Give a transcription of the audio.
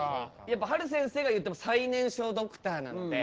やっぱはる先生が言っても最年少ドクターなので。